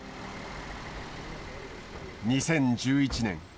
２０１１年。